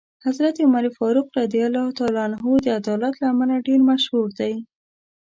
حضرت عمر فاروق رض د عدالت له امله ډېر مشهور دی.